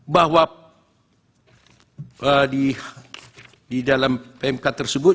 bahwa di dalam pmk tersebut